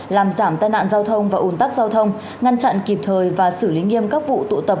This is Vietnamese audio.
làm giảm tai nạn giao thông và ủn tắc giao thông ngăn chặn kịp thời và xử lý nghiêm các vụ tụ tập